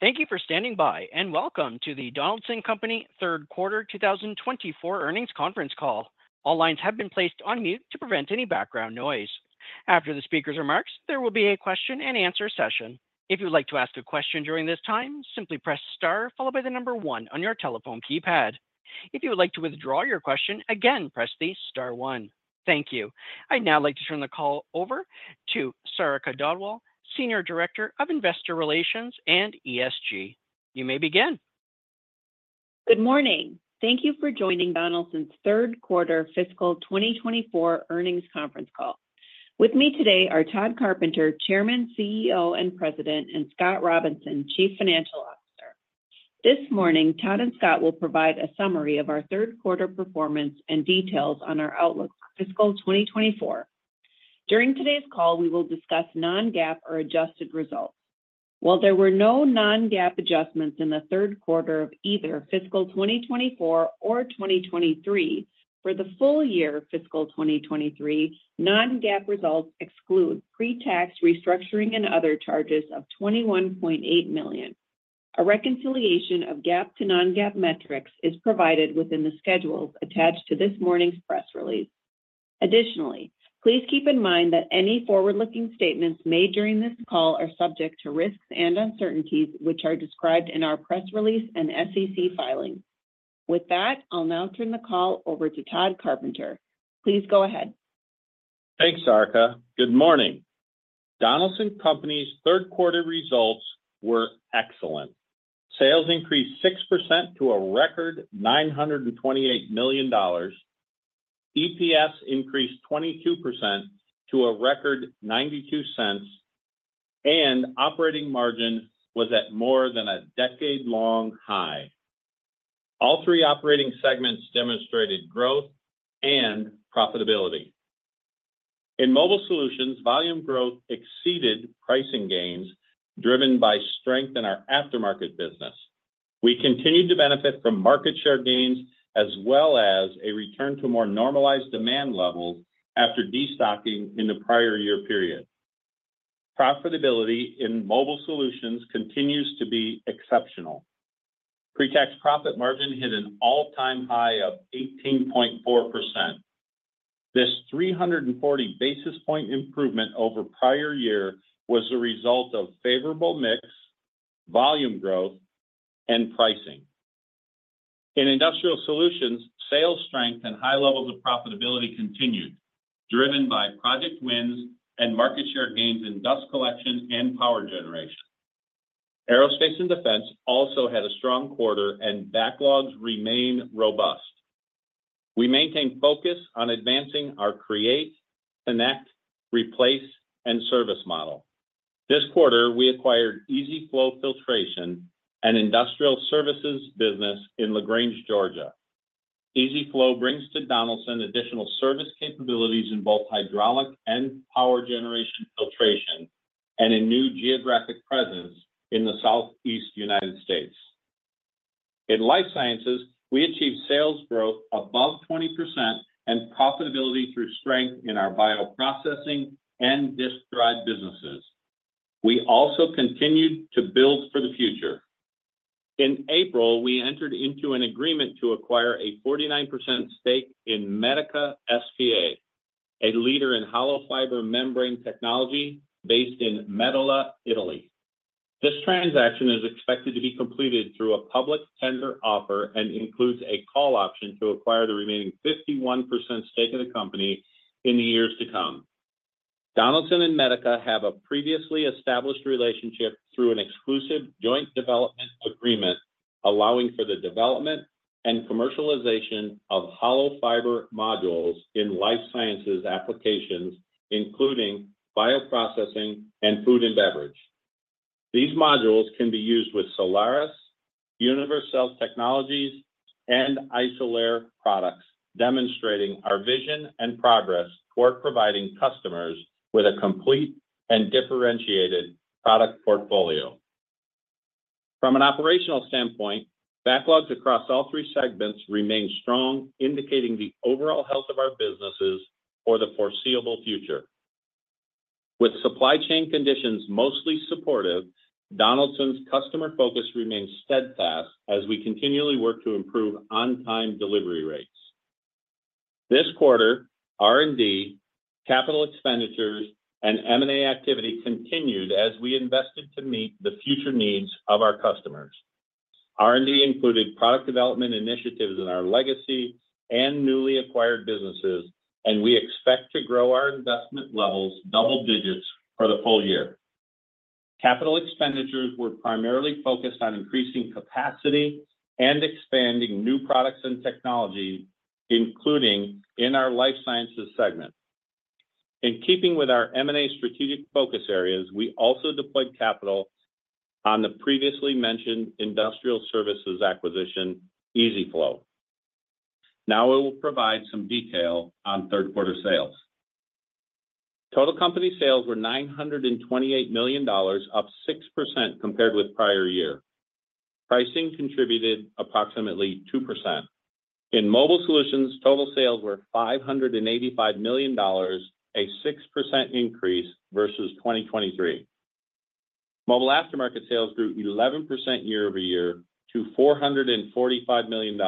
Thank you for standing by, and welcome to the Donaldson Company third quarter 2024 earnings conference call. All lines have been placed on mute to prevent any background noise. After the speaker's remarks, there will be a question and answer session. If you'd like to ask a question during this time, simply press star followed by the number one on your telephone keypad. If you would like to withdraw your question, again, press the star one. Thank you. I'd now like to turn the call over to Sarika Dhadwal, Senior Director of Investor Relations and ESG. You may begin. Good morning. Thank you for joining Donaldson's third quarter fiscal 2024 earnings conference call. With me today are Todd Carpenter, Chairman, CEO, and President, and Scott Robinson, Chief Financial Officer. This morning, Todd and Scott will provide a summary of our third quarter performance and details on our outlook for fiscal 2024. During today's call, we will discuss non-GAAP or adjusted results. While there were no non-GAAP adjustments in the third quarter of either fiscal 2024 or 2023, for the full year of fiscal 2023, non-GAAP results exclude pre-tax restructuring and other charges of $21.8 million. A reconciliation of GAAP to non-GAAP metrics is provided within the schedules attached to this morning's press release. Additionally, please keep in mind that any forward-looking statements made during this call are subject to risks and uncertainties, which are described in our press release and SEC filings. With that, I'll now turn the call over to Tod Carpenter. Please go ahead. Thanks, Sarika. Good morning. Donaldson Company's third quarter results were excellent. Sales increased 6% to a record $928 million. EPS increased 22% to a record $0.92, and operating margin was at more than a decade-long high. All three operating segments demonstrated growth and profitability. In Mobile Solutions, volume growth exceeded pricing gains, driven by strength in our aftermarket business. We continued to benefit from market share gains, as well as a return to more normalized demand levels after destocking in the prior year period. Profitability in Mobile Solutions continues to be exceptional. Pre-tax profit margin hit an all-time high of 18.4%. This 340 basis point improvement over prior year was a result of favorable mix, volume growth, and pricing. In Industrial Solutions, sales strength and high levels of profitability continued, driven by project wins and market share gains in dust collection and power generation. Aerospace and Defense also had a strong quarter, and backlogs remain robust. We maintain focus on advancing our Create, Connect, Replace, and Service model. This quarter, we acquired EasyFlow Filtration, an industrial services business in LaGrange, Georgia. EasyFlow brings to Donaldson additional service capabilities in both hydraulic and power generation filtration, and a new geographic presence in the Southeast United States. In Life Sciences, we achieved sales growth above 20% and profitability through strength in our bioprocessing and disk drive businesses. We also continued to build for the future. In April, we entered into an agreement to acquire a 49% stake in Medica S.p.A., a leader in hollow fiber membrane technology based in Medola, Italy. This transaction is expected to be completed through a public tender offer and includes a call option to acquire the remaining 51% stake in the company in the years to come. Donaldson and Medica have a previously established relationship through an exclusive joint development agreement, allowing for the development and commercialization of hollow fiber modules in life sciences applications, including bioprocessing and food and beverage. These modules can be used with Solaris, Universcells Technologies, and Isolere products, demonstrating our vision and progress toward providing customers with a complete and differentiated product portfolio. From an operational standpoint, backlogs across all three segments remain strong, indicating the overall health of our businesses for the foreseeable future. With supply chain conditions mostly supportive, Donaldson's customer focus remains steadfast as we continually work to improve on-time delivery rates. This quarter, R&D, capital expenditures, and M&A activity continued as we invested to meet the future needs of our customers. R&D included product development initiatives in our legacy and newly acquired businesses, and we expect to grow our investment levels double digits for the full year. Capital expenditures were primarily focused on increasing capacity and expanding new products and technology, including in our Life Sciences segment. In keeping with our M&A strategic focus areas, we also deployed capital on the previously mentioned industrial services acquisition, EasyFlow. Now I will provide some detail on third quarter sales. Total company sales were $928 million, up 6% compared with prior year. Pricing contributed approximately 2%. In Mobile Solutions, total sales were $585 million, a 6% increase versus 2023. Mobile aftermarket sales grew 11% year-over-year to $445 million.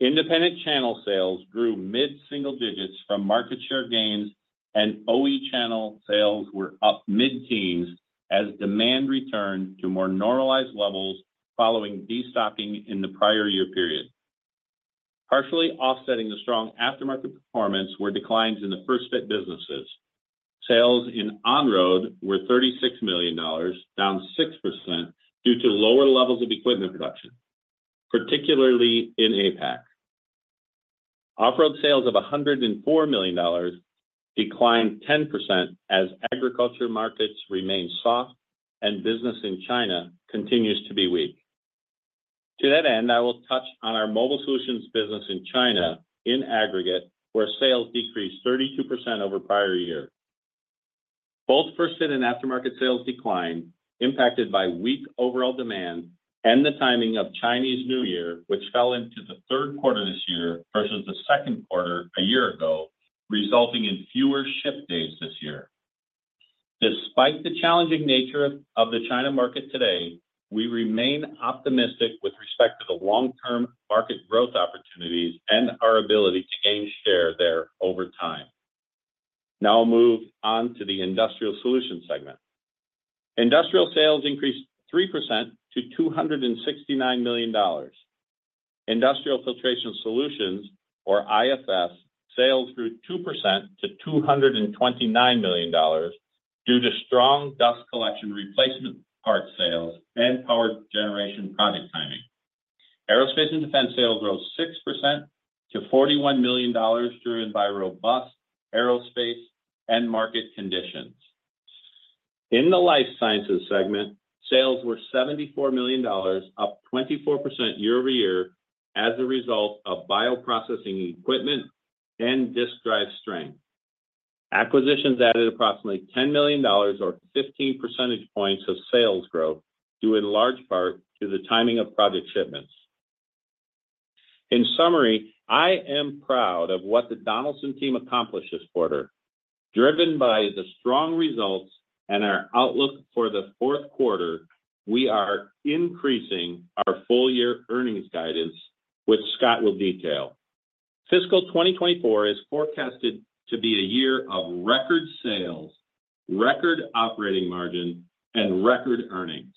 Independent channel sales grew mid-single digits from market share gains, and OE channel sales were up mid-teens as demand returned to more normalized levels following destocking in the prior year period. Partially offsetting the strong aftermarket performance were declines in the first fit businesses. Sales in on-road were $36 million, down 6% due to lower levels of equipment production, particularly in APAC. Off-road sales of $104 million declined 10% as agriculture markets remain soft and business in China continues to be weak. To that end, I will touch on our mobile solutions business in China in aggregate, where sales decreased 32% over prior year. Both first fit and aftermarket sales declined, impacted by weak overall demand and the timing of Chinese New Year, which fell into the third quarter this year versus the second quarter a year ago, resulting in fewer ship days this year. Despite the challenging nature of the China market today, we remain optimistic with respect to the long-term market growth opportunities and our ability to gain share there over time. Now I'll move on to the Industrial Solutions segment. Industrial sales increased 3% to $269 million. Industrial Filtration Solutions, or IFS, sales grew 2% to $229 million due to strong dust collection replacement part sales and power generation project timing. Aerospace and Defense sales grew 6% to $41 million, driven by robust aerospace and market conditions. In the life sciences segment, sales were $74 million, up 24% year-over-year, as a result of bioprocessing equipment and disk drive strength. Acquisitions added approximately $10 million or 15 percentage points of sales growth, due in large part to the timing of project shipments. In summary, I am proud of what the Donaldson team accomplished this quarter. Driven by the strong results and our outlook for the fourth quarter, we are increasing our full-year earnings guidance, which Scott will detail. Fiscal 2024 is forecasted to be a year of record sales, record operating margin, and record earnings.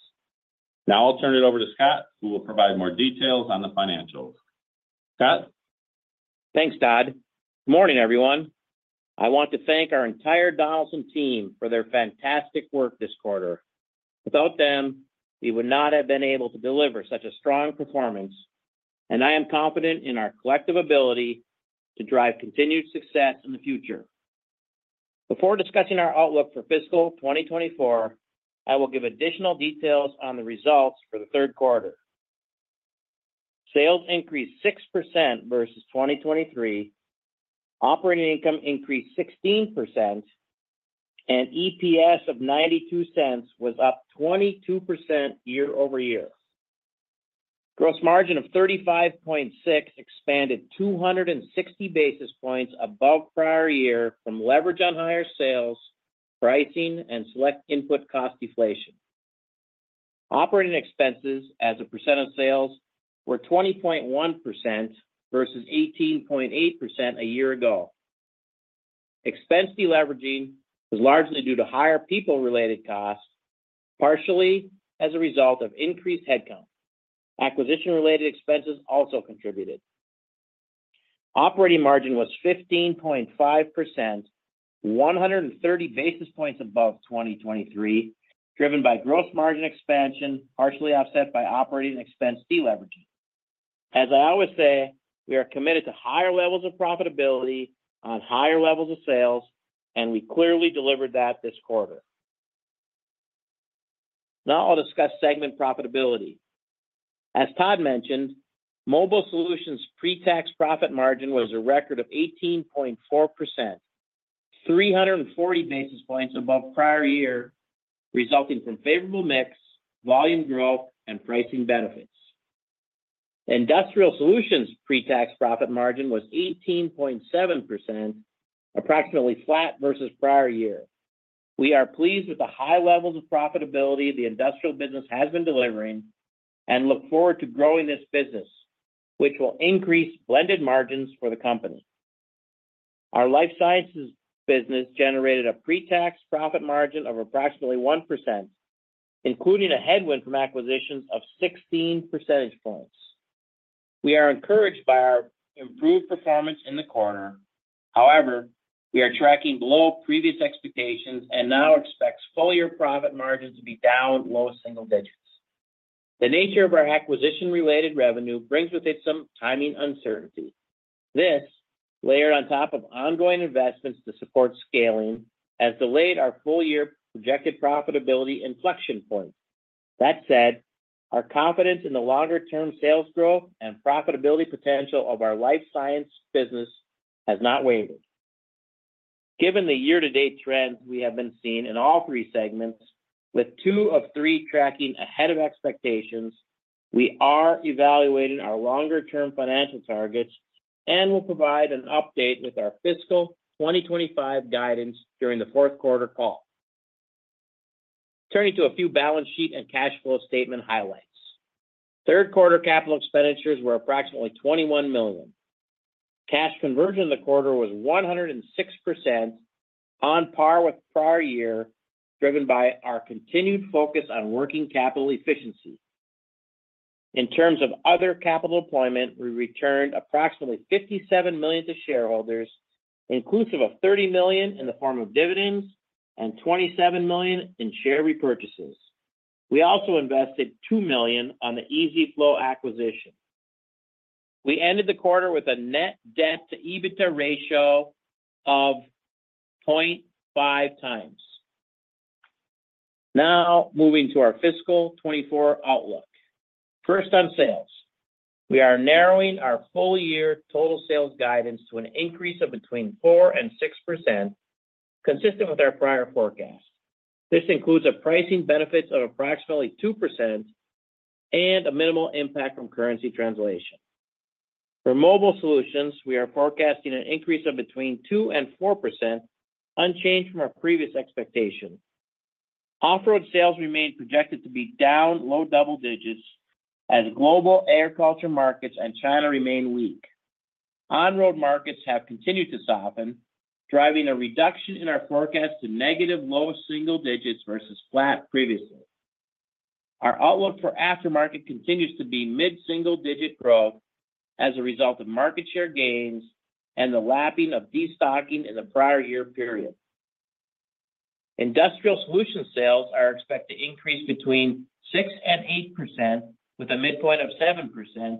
Now I'll turn it over to Scott, who will provide more details on the financials. Scott? Thanks, Todd. Morning, everyone. I want to thank our entire Donaldson team for their fantastic work this quarter. Without them, we would not have been able to deliver such a strong performance, and I am confident in our collective ability to drive continued success in the future. Before discussing our outlook for fiscal 2024, I will give additional details on the results for the third quarter. Sales increased 6% versus 2023, operating income increased 16%, and EPS of $0.92 was up 22% year-over-year. Gross margin of 35.6% expanded 260 basis points above prior year from leverage on higher sales, pricing, and select input cost deflation. Operating expenses as a percent of sales were 20.1% versus 18.8% a year ago. Expense deleveraging was largely due to higher people-related costs, partially as a result of increased headcount. Acquisition-related expenses also contributed. Operating margin was 15.5%, 130 basis points above 2023, driven by gross margin expansion, partially offset by operating expense deleveraging. As I always say, we are committed to higher levels of profitability on higher levels of sales, and we clearly delivered that this quarter. Now I'll discuss segment profitability. As Todd mentioned, Mobile Solutions' pre-tax profit margin was a record of 18.4%, 340 basis points above prior year, resulting from favorable mix, volume growth, and pricing benefits. Industrial Solutions' pre-tax profit margin was 18.7%, approximately flat versus prior year. We are pleased with the high levels of profitability the industrial business has been delivering and look forward to growing this business, which will increase blended margins for the company. Our life sciences business generated a pre-tax profit margin of approximately 1%, including a headwind from acquisitions of 16 percentage points. We are encouraged by our improved performance in the quarter. However, we are tracking below previous expectations and now expect full-year profit margins to be down low single digits. The nature of our acquisition-related revenue brings with it some timing uncertainty. This, layered on top of ongoing investments to support scaling, has delayed our full-year projected profitability inflection point. That said, our confidence in the longer-term sales growth and profitability potential of our life science business has not wavered. Given the year-to-date trends we have been seeing in all three segments, with two of three tracking ahead of expectations, we are evaluating our longer-term financial targets and will provide an update with our fiscal 2025 guidance during the fourth quarter call. Turning to a few balance sheet and cash flow statement highlights. Third quarter capital expenditures were approximately $21 million. Cash conversion in the quarter was 106%, on par with prior year, driven by our continued focus on working capital efficiency. In terms of other capital deployment, we returned approximately $57 million to shareholders, inclusive of $30 million in the form of dividends and $27 million in share repurchases. We also invested $2 million on the EasyFlow acquisition. We ended the quarter with a net debt to EBITDA ratio of 0.5x. Now, moving to our fiscal 2024 outlook. First, on sales. We are narrowing our full year total sales guidance to an increase of between 4% and 6%, consistent with our prior forecast. This includes a pricing benefit of approximately 2% and a minimal impact from currency translation. For Mobile Solutions, we are forecasting an increase of between 2% and 4%, unchanged from our previous expectation. Off-road sales remain projected to be down low double digits as global agriculture markets and China remain weak. On-road markets have continued to soften, driving a reduction in our forecast to negative low single digits versus flat previously. Our outlook for aftermarket continues to be mid-single digit growth as a result of market share gains and the lapping of destocking in the prior year period. Industrial Solutions sales are expected to increase between 6%-8%, with a midpoint of 7%,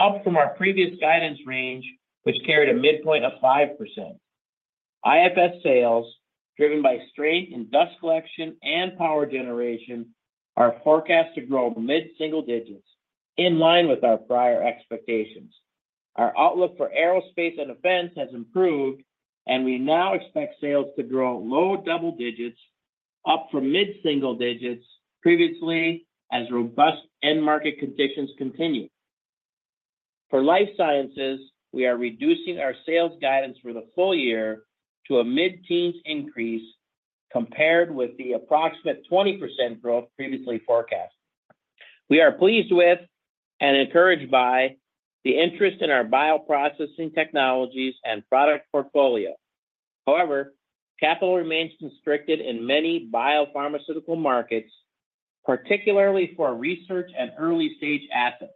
up from our previous guidance range, which carried a midpoint of 5%. IFS sales, driven by strength in dust collection and power generation, are forecast to grow mid-single digits, in line with our prior expectations. Our outlook for Aerospace and Defense has improved, and we now expect sales to grow low double digits, up from mid-single digits previously, as robust end market conditions continue. For Life Sciences, we are reducing our sales guidance for the full year to a mid-teens increase compared with the approximate 20% growth previously forecast. We are pleased with and encouraged by the interest in our Bioprocessing technologies and product portfolio. However, capital remains constricted in many biopharmaceutical markets, particularly for research and early-stage assets.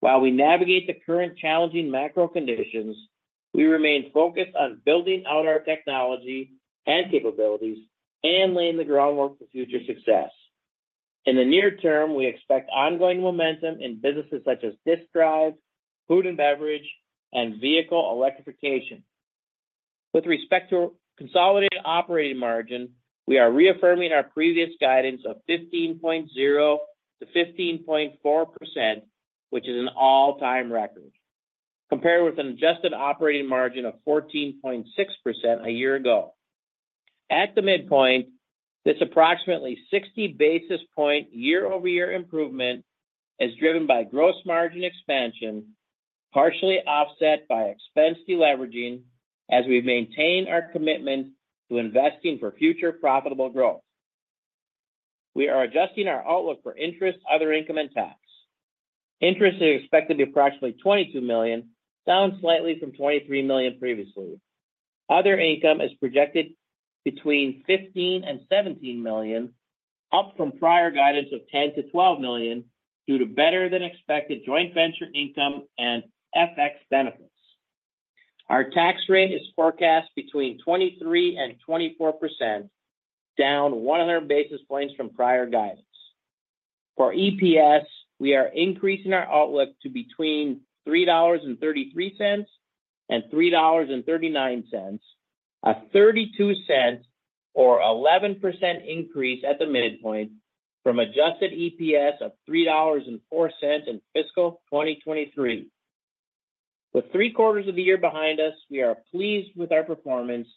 While we navigate the current challenging macro conditions, we remain focused on building out our technology and capabilities and laying the groundwork for future success. In the near term, we expect ongoing momentum in businesses such as disk drive, food and beverage, and vehicle electrification. With respect to consolidated operating margin, we are reaffirming our previous guidance of 15.0%-15.4%, which is an all-time record, compared with an adjusted operating margin of 14.6% a year ago. At the midpoint, this approximately 60 basis point year-over-year improvement is driven by gross margin expansion, partially offset by expense deleveraging, as we maintain our commitment to investing for future profitable growth. We are adjusting our outlook for interest, other income, and tax. Interest is expected to be approximately $22 million, down slightly from $23 million previously. Other income is projected between $15 million and $17 million, up from prior guidance of $10 million-$12 million, due to better-than-expected joint venture income and FX benefits. Our tax rate is forecast between 23% and 24%, down 100 basis points from prior guidance. For EPS, we are increasing our outlook to between $3.33 and $3.39, a $0.32 or 11% increase at the midpoint from adjusted EPS of $3.04 in fiscal 2023. With three quarters of the year behind us, we are pleased with our performance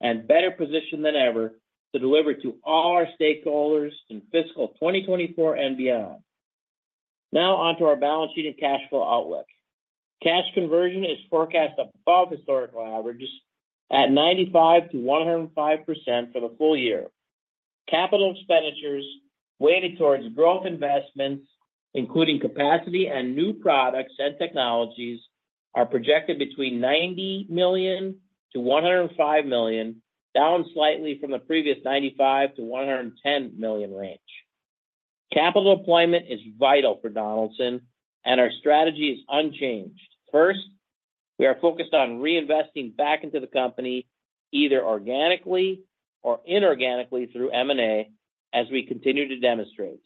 and better positioned than ever to deliver to all our stakeholders in fiscal 2024 and beyond. Now, on to our balance sheet and cash flow outlook. Cash conversion is forecast above historical averages at 95%-105% for the full year. Capital expenditures, weighted toward growth investments, including capacity and new products and technologies, are projected between $90 million-$105 million, down slightly from the previous $95 million-$110 million range. Capital deployment is vital for Donaldson, and our strategy is unchanged. First, we are focused on reinvesting back into the company, either organically or inorganically, through M&A, as we continue to demonstrate.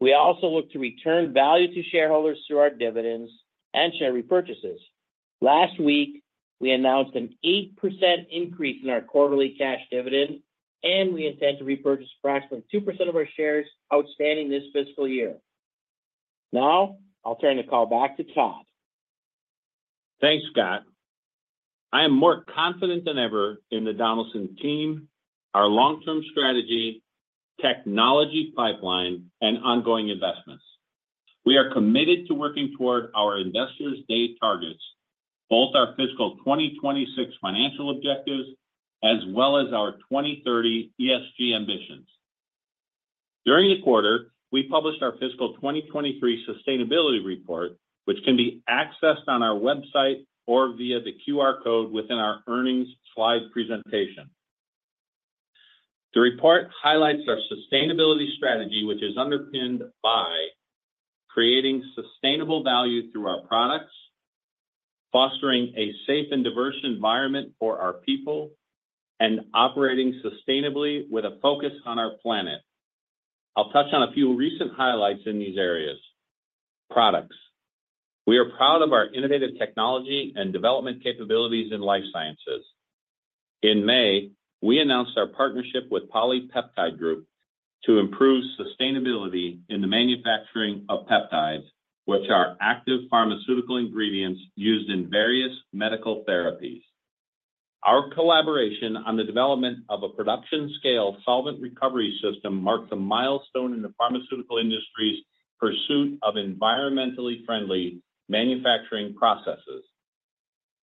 We also look to return value to shareholders through our dividends and share repurchases. Last week, we announced an 8% increase in our quarterly cash dividend, and we intend to repurchase approximately 2% of our shares outstanding this fiscal year. Now, I'll turn the call back to Todd. Thanks, Scott. I am more confident than ever in the Donaldson team, our long-term strategy, technology pipeline, and ongoing investments. We are committed to working toward our Investors Day targets, both our fiscal 2026 financial objectives, as well as our 2030 ESG ambitions. During the quarter, we published our fiscal 2023 sustainability report, which can be accessed on our website or via the QR code within our earnings slide presentation. The report highlights our sustainability strategy, which is underpinned by creating sustainable value through our products, fostering a safe and diverse environment for our people, and operating sustainably with a focus on our planet. I'll touch on a few recent highlights in these areas. Products. We are proud of our innovative technology and development capabilities in life sciences. In May, we announced our partnership with PolyPeptide Group to improve sustainability in the manufacturing of peptides, which are active pharmaceutical ingredients used in various medical therapies. Our collaboration on the development of a production-scale solvent recovery system marks a milestone in the pharmaceutical industry's pursuit of environmentally friendly manufacturing processes.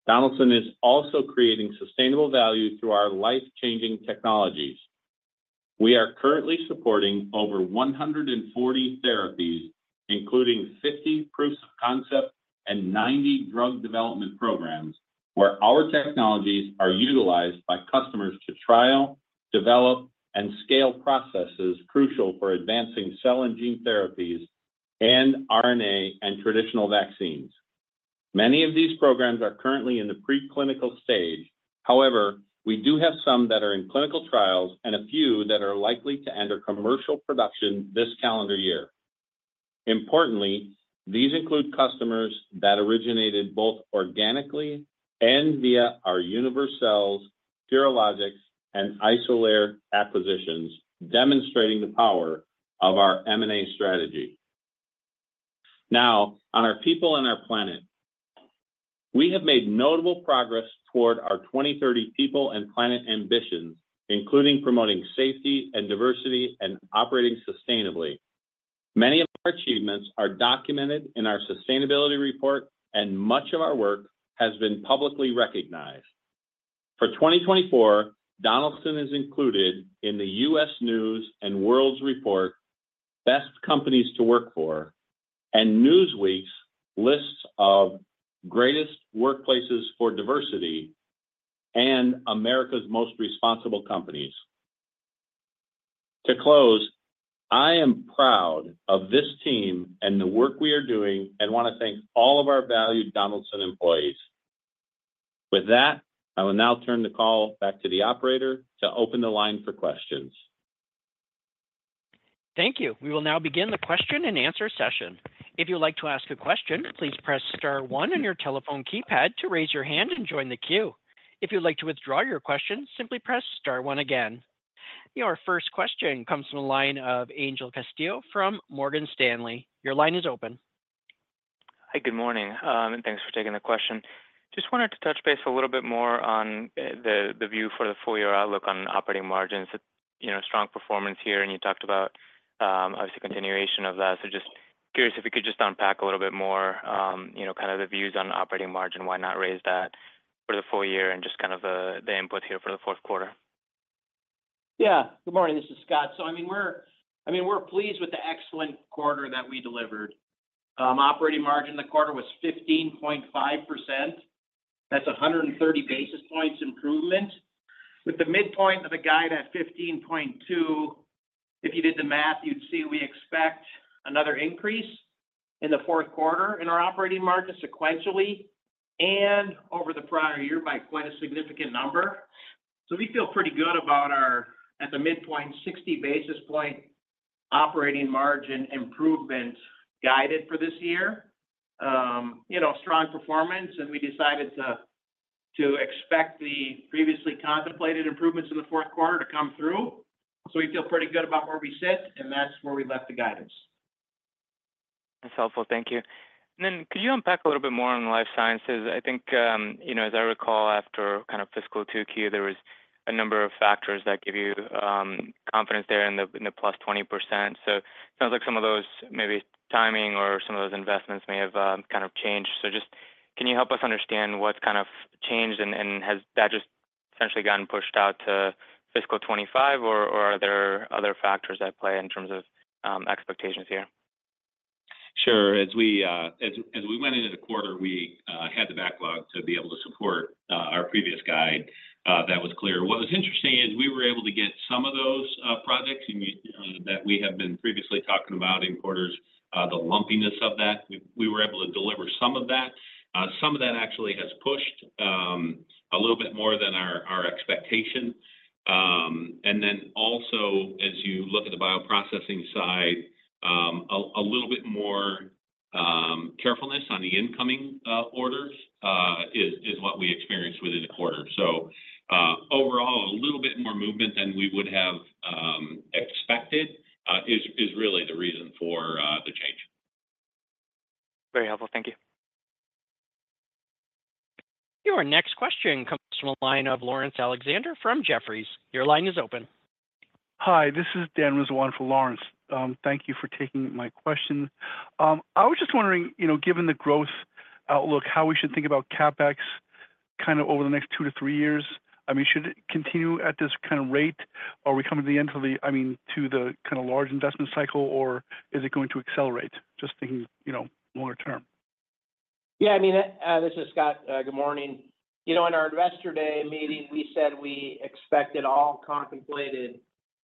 Donaldson is also creating sustainable value through our life-changing technologies. We are currently supporting over 140 therapies, including 50 proofs of concept and 90 drug development programs, where our technologies are utilized by customers to trial, develop, and scale processes crucial for advancing cell and gene therapies and RNA and traditional vaccines. Many of these programs are currently in the preclinical stage. However, we do have some that are in clinical trials and a few that are likely to enter commercial production this calendar year. Importantly, these include customers that originated both organically and via our Universcells, Purilogics, and Isolere acquisitions, demonstrating the power of our M&A strategy. Now, on our people and our planet, we have made notable progress toward our 2030 people and planet ambitions, including promoting safety and diversity and operating sustainably. Many of our achievements are documented in our sustainability report, and much of our work has been publicly recognized. For 2024, Donaldson is included in the U.S. News & World Report Best Companies to Work For, and Newsweek's lists of Greatest Workplaces for Diversity and America's Most Responsible Companies. To close, I am proud of this team and the work we are doing, and want to thank all of our valued Donaldson employees. With that, I will now turn the call back to the operator to open the line for questions. Thank you. We will now begin the question and answer session. If you'd like to ask a question, please press star one on your telephone keypad to raise your hand and join the queue. If you'd like to withdraw your question, simply press star one again. Your first question comes from the line of Angel Castillo from Morgan Stanley. Your line is open. Hi, good morning, and thanks for taking the question. Just wanted to touch base a little bit more on the view for the full year outlook on operating margins. You know, strong performance here, and you talked about, obviously, continuation of that. So just curious if you could just unpack a little bit more, you know, kind of the views on operating margin, why not raise that for the full year, and just kind of the input here for the fourth quarter. Yeah. Good morning, this is Scott. So, I mean, we're pleased with the excellent quarter that we delivered. Operating margin in the quarter was 15.5%. That's 130 basis points improvement. With the midpoint of the guide at 15.2%, if you did the math, you'd see we expect another increase in the fourth quarter in our operating margin sequentially and over the prior year by quite a significant number. So we feel pretty good about our, at the midpoint, 60 basis point operating margin improvement guided for this year. You know, strong performance, and we decided to expect the previously contemplated improvements in the fourth quarter to come through. So we feel pretty good about where we sit, and that's where we left the guidance. That's helpful. Thank you. And then could you unpack a little bit more on the Life Sciences? I think, you know, as I recall, after kind of fiscal 2Q, there was a number of factors that give you confidence there in the +20%. So it sounds like some of those may be timing or some of those investments may have kind of changed. So just can you help us understand what's kind of changed, and has that just essentially gotten pushed out to fiscal 2025, or are there other factors at play in terms of expectations here? Sure. As we as we went into the quarter, we had the backlog to be able to support our previous guide. That was clear. What was interesting is we were able to get some of those projects that we have been previously talking about in quarters, the lumpiness of that. We were able to deliver some of that. Some of that actually has pushed a little bit more than our expectation. And then also, as you look at the bioprocessing side, a little bit more carefulness on the incoming orders is what we experienced within the quarter. So, overall, a little bit more movement than we would have expected is really the reason for the change. Very helpful. Thank you. Next question comes from the line of Laurence Alexander from Jefferies. Your line is open. Hi, this is Dan Rizzo for Laurence Alexander. Thank you for taking my question. I was just wondering, you know, given the growth outlook, how we should think about CapEx kind of over the next two to three years? I mean, should it continue at this kind of rate, or are we coming to the end of the, I mean, to the kind of large investment cycle, or is it going to accelerate? Just thinking, you know, longer term. Yeah, I mean, this is Scott. Good morning. You know, in our Investor Day meeting, we said we expected all contemplated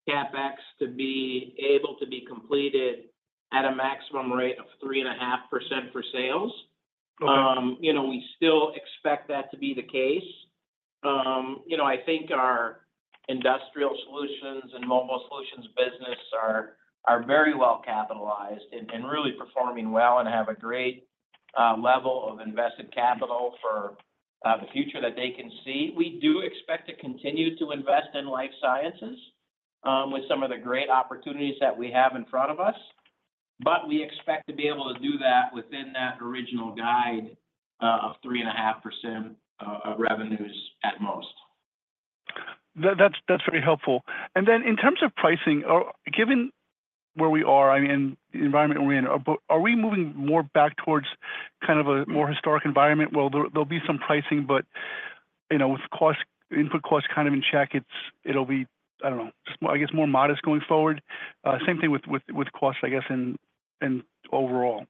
CapEx to be able to be completed at a maximum rate of 3.5% for sales. Got it. You know, we still expect that to be the case. You know, I think our Industrial Solutions and Mobile Solutions business are very well capitalized and really performing well and have a great level of invested capital for the future that they can see. We do expect to continue to invest in Life Sciences with some of the great opportunities that we have in front of us, but we expect to be able to do that within that original guide of 3.5% of revenues at most. That's very helpful. And then in terms of pricing, given where we are and the environment we're in, but are we moving more back towards kind of a more historic environment? Well, there'll be some pricing, but, you know, with input costs kind of in check, it'll be, I don't know, just, I guess, more modest going forward. Same thing with cost, I guess, in overall.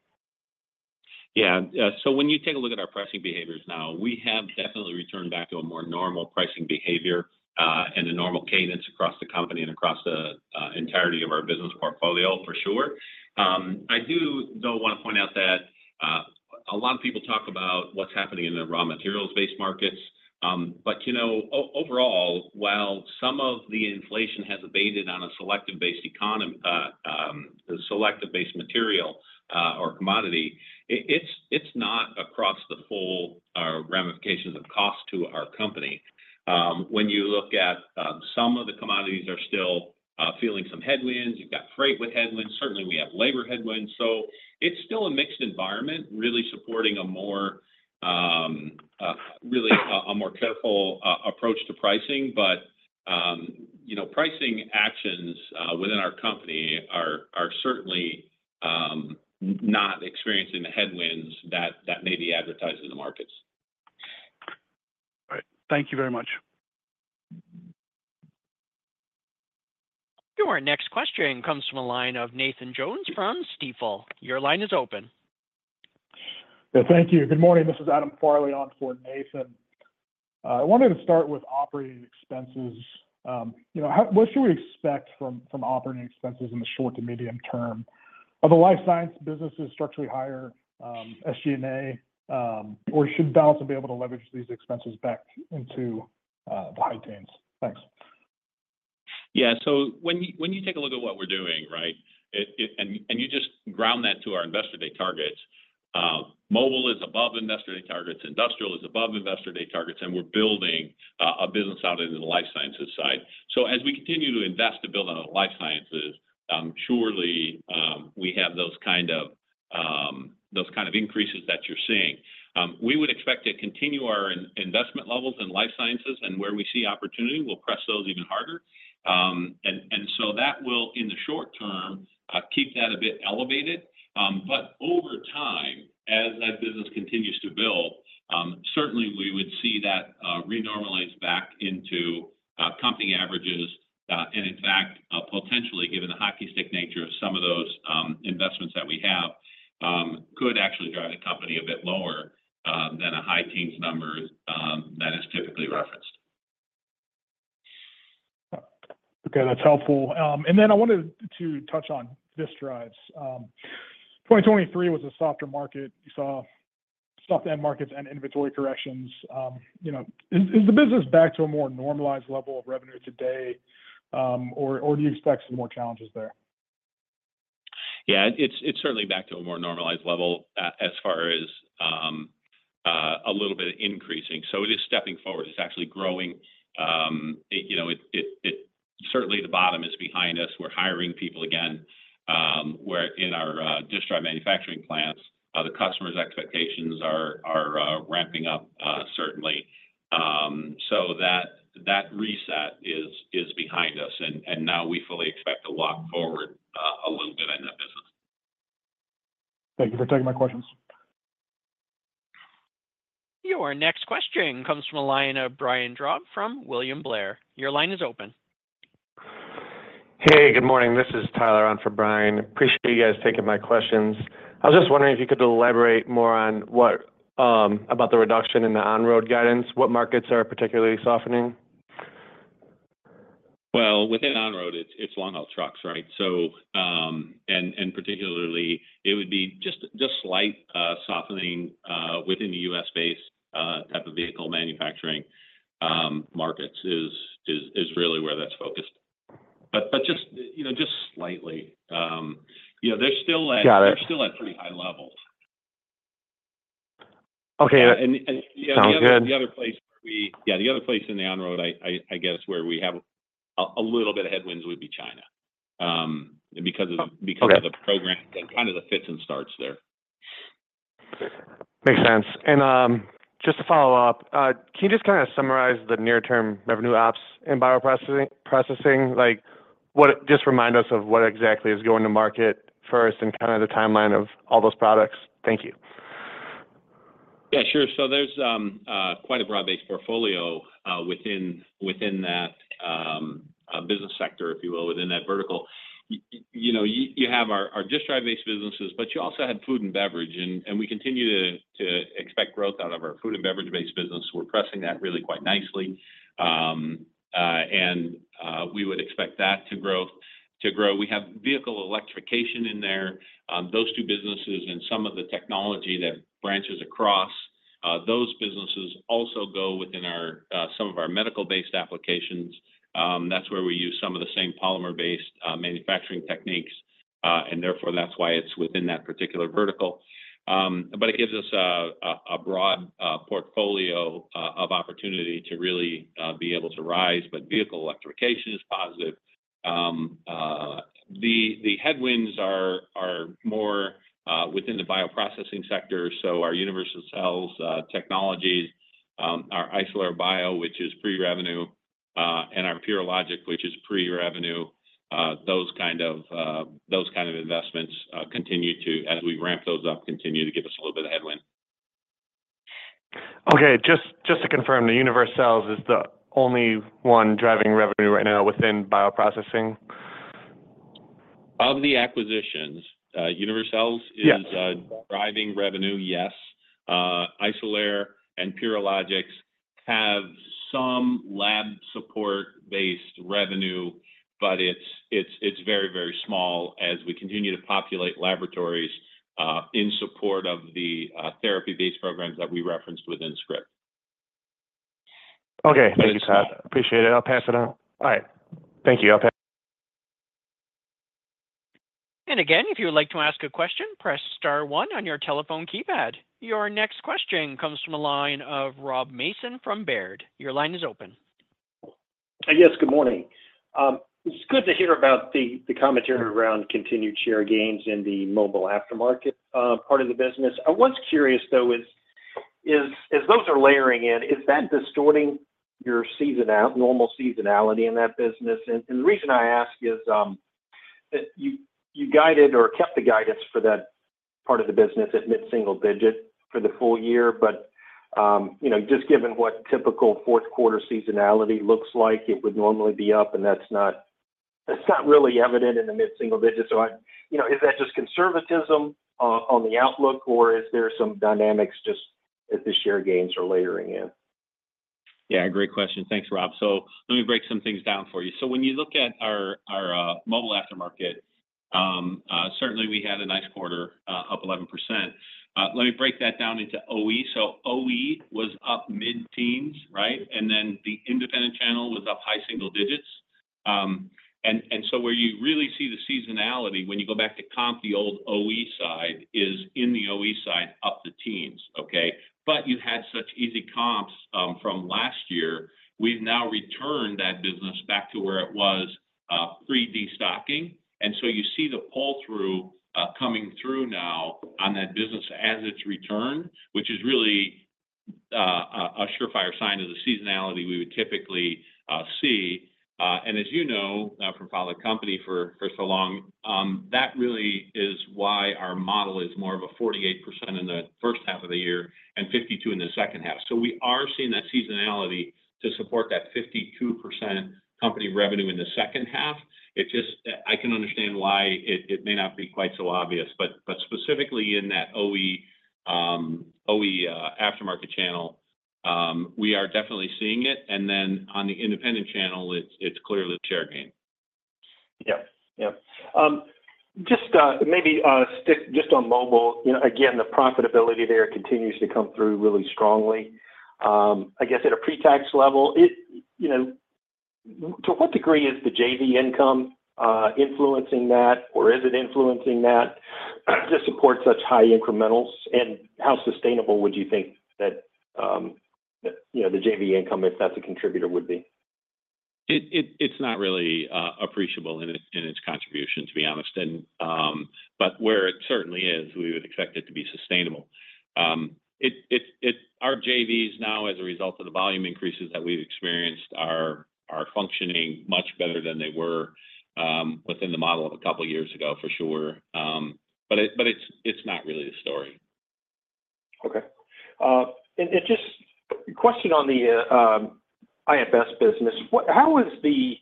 Yeah. So when you take a look at our pricing behaviors now, we have definitely returned back to a more normal pricing behavior, and a normal cadence across the company and across the entirety of our business portfolio for sure. I do, though, want to point out that a lot of people talk about what's happening in the raw materials-based markets. But, you know, overall, while some of the inflation has abated on a selective based material, or commodity, it's not across the full ramifications of cost to our company. When you look at, some of the commodities are still feeling some headwinds. You've got freight with headwinds. Certainly, we have labor headwinds, so it's still a mixed environment, really supporting a more careful approach to pricing. But, you know, pricing actions within our company are certainly not experiencing the headwinds that may be advertised in the markets. All right. Thank you very much. Your next question comes from a line of Nathan Jones from Stifel. Your line is open. Yeah, thank you. Good morning. This is Adam Farley on for Nathan. I wanted to start with operating expenses. You know, what should we expect from operating expenses in the short to medium term? Are the Life Sciences businesses structurally higher SG&A, or should balance will be able to leverage these expenses back into the high teens? Thanks. Yeah. So when you take a look at what we're doing, right, it. And you just ground that to our Investor Day targets. Mobile is above Investor Day targets, Industrial is above Investor Day targets, and we're building a business out in the Life Sciences side. So as we continue to invest to build on the Life Sciences, surely we have those kind of increases that you're seeing. We would expect to continue our investment levels in Life Sciences, and where we see opportunity, we'll press those even harder. And so that will, in the short term, keep that a bit elevated. But over time, as that business continues to build, certainly we would see that renormalize back into company averages. In fact, potentially, given the hockey stick nature of some of those investments that we have, could actually drive the company a bit lower than a high-teens number that is typically referenced. Okay, that's helpful. And then I wanted to touch on disk drives. 2023 was a softer market. You saw soft end markets and inventory corrections. You know, is the business back to a more normalized level of revenue today, or do you expect some more challenges there? Yeah, it's, it's certainly back to a more normalized level as far as a little bit increasing. So it is stepping forward. It's actually growing. You know, certainly the bottom is behind us. We're hiring people again. We're in our disk drive manufacturing plants, the customers' expectations are ramping up, certainly. So that reset is behind us, and now we fully expect to walk forward a little bit in that business. Thank you for taking my questions. Your next question comes from a line of Brian Drab from William Blair. Your line is open. Hey, good morning. This is Tyler on for Brian. Appreciate you guys taking my questions. I was just wondering if you could elaborate more on what, about the reduction in the on-road guidance. What markets are particularly softening? Well, within on-road, it's long-haul trucks, right? So, and particularly, it would be just slight softening within the U.S.-based type of vehicle manufacturing markets is really where that's focused. But just, you know, just slightly. You know, they're still at- Got it... they're still at pretty high levels. Okay. Yeah- Sounds good... the other place where we. Yeah, the other place in the on-road, I guess where we have a little bit of headwinds would be China... and because of, because of the program, kind of the fits and starts there. Makes sense. And, just to follow up, can you just kind of summarize the near-term revenue ops and bioprocessing? Like, just remind us of what exactly is going to market first and kind of the timeline of all those products. Thank you. Yeah, sure. So there's quite a broad-based portfolio within, within that business sector, if you will, within that vertical. You know, you have our disk drive-based businesses, but you also had food and beverage, and we continue to expect growth out of our food and beverage-based business. We're pressing that really quite nicely. And we would expect that to grow. We have vehicle electrification in there. Those two businesses and some of the technology that branches across those businesses also go within some of our medical-based applications. That's where we use some of the same polymer-based manufacturing techniques, and therefore, that's why it's within that particular vertical. But it gives us a broad portfolio of opportunity to really be able to rise, but vehicle electrification is positive. The headwinds are more within the bioprocessing sector, so our Universcells Technologies, our Isolere Bio, which is pre-revenue, and our Purilogics, which is pre-revenue, those kind of investments continue to as we ramp those up, continue to give us a little bit of headwind. Okay, just to confirm, the Universcells is the only one driving revenue right now within bioprocessing? Of the acquisitions, Universcells- Yeah... is driving revenue, yes. Isolere and Purilogics have some lab support-based revenue, but it's very, very small as we continue to populate laboratories in support of the therapy-based programs that we referenced within Script. Okay. Thank you, Tod. Appreciate it. I'll pass it on. All right. Thank you. I'll pass- And again, if you would like to ask a question, press star one on your telephone keypad. Your next question comes from a line of Rob Mason from Baird. Your line is open. Yes, good morning. It's good to hear about the commentary around continued share gains in the mobile aftermarket part of the business. I was curious, though. Is, as those are layering in, is that distorting your seasonal normal seasonality in that business? And the reason I ask is that you guided or kept the guidance for that part of the business at mid-single-digit for the full year, but you know, just given what typical fourth quarter seasonality looks like, it would normally be up, and that's not really evident in the mid-single digits. So I... You know, is that just conservatism on the outlook, or is there some dynamics just as the share gains are layering in? Yeah, great question. Thanks, Rob. So let me break some things down for you. So when you look at our mobile aftermarket, certainly we had a nice quarter, up 11%. Let me break that down into OE. So OE was up mid-teens, right? And then the independent channel was up high single digits. And so where you really see the seasonality, when you go back to comp, the old OE side, is in the OE side, up the teens, okay? But you've had such easy comps, from last year, we've now returned that business back to where it was, pre-destocking. And so you see the pull-through, coming through now on that business as it's returned, which is really a surefire sign of the seasonality we would typically see. And as you know, from following the company for, for so long, that really is why our model is more of a 48% in the first half of the year and 52% in the second half. So we are seeing that seasonality to support that 52% company revenue in the second half. It just, I can understand why it, it may not be quite so obvious, but, but specifically in that OE, OE aftermarket channel, we are definitely seeing it, and then on the independent channel, it's, it's clearly a share gain. Yeah. Yeah. Just, maybe, stick just on mobile, you know, again, the profitability there continues to come through really strongly. I guess at a pre-tax level, it, you know, to what degree is the JV income, influencing that, or is it influencing that, to support such high incrementals? And how sustainable would you think that, the, you know, the JV income, if that's a contributor, would be? It's not really appreciable in its contribution, to be honest. But where it certainly is, we would expect it to be sustainable. Our JVs now, as a result of the volume increases that we've experienced, are functioning much better than they were within the model of a couple of years ago, for sure. But it's not really the story. Okay. And just a question on the IFS business. How is the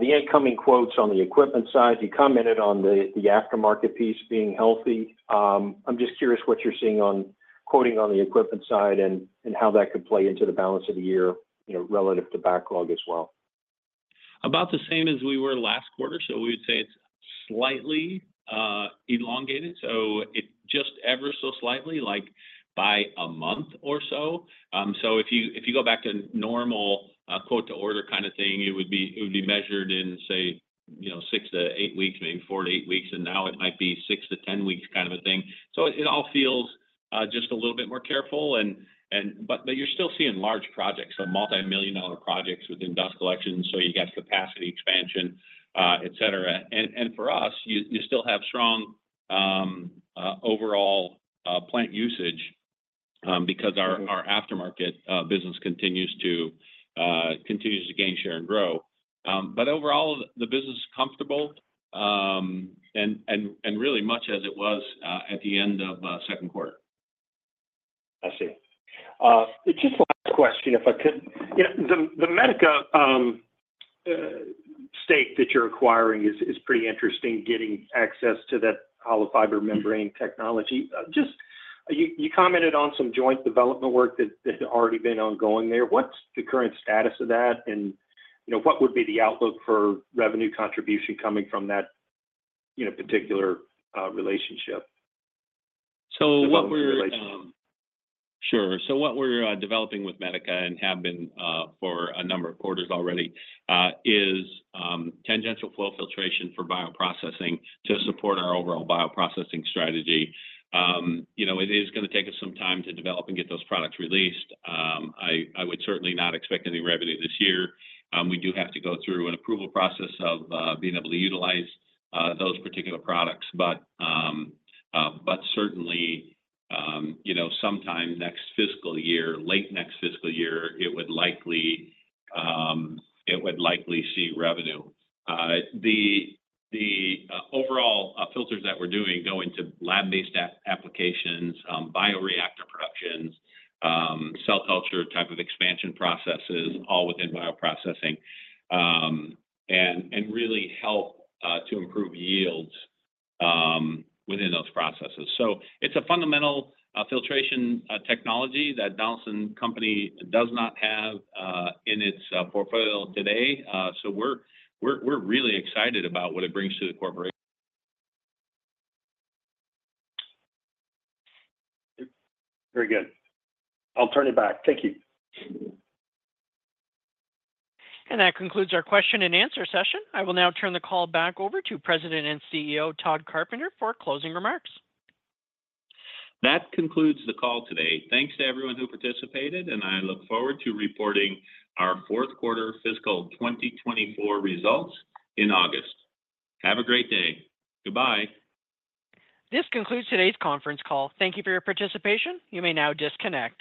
incoming quotes on the equipment side? You commented on the aftermarket piece being healthy. I'm just curious what you're seeing on quoting on the equipment side and how that could play into the balance of the year, you know, relative to backlog as well. About the same as we were last quarter, so we'd say it's slightly elongated. So it just ever so slightly, like by a month or so. So if you, if you go back to normal, quote to order kind of thing, it would be, it would be measured in, say, you know, six to eight weeks, maybe four to eight weeks, and now it might be six to 10 weeks, kind of a thing. So it all feels just a little bit more careful and, and, but, but you're still seeing large projects, so multimillion dollar projects within dust collection, so you got capacity expansion, et cetera. And, and for us, you, you still have strong, overall, plant usage, because our, our aftermarket, business continues to, continues to gain share and grow. But overall, the business is comfortable and really much as it was at the end of second quarter. I see. Just one last question, if I could. You know, the Medica stake that you're acquiring is pretty interesting, getting access to that Hollow Fiber Membrane technology. Just, you commented on some joint development work that had already been ongoing there. What's the current status of that? And, you know, what would be the outlook for revenue contribution coming from that, you know, particular relationship? So what we're- Development relationship. Sure. So what we're developing with Medica, and have been, for a number of quarters already, is tangential flow filtration for bioprocessing to support our overall bioprocessing strategy. You know, it is gonna take us some time to develop and get those products released. I would certainly not expect any revenue this year. We do have to go through an approval process of being able to utilize those particular products, but certainly, you know, sometime next fiscal year, late next fiscal year, it would likely see revenue. The overall filters that we're doing go into lab-based applications, bioreactor productions, cell culture type of expansion processes, all within bioprocessing. And really help to improve yields within those processes. So it's a fundamental filtration technology that Donaldson Company does not have in its portfolio today. So we're really excited about what it brings to the corporation. Very good. I'll turn it back. Thank you. That concludes our question and answer session. I will now turn the call back over to President and CEO, Todd Carpenter, for closing remarks. That concludes the call today. Thanks to everyone who participated, and I look forward to reporting our fourth quarter fiscal 2024 results in August. Have a great day. Goodbye. This concludes today's conference call. Thank you for your participation. You may now disconnect.